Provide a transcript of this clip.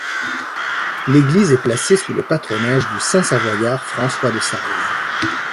L'église est placée sous le patronage du saint savoyard François de Sales.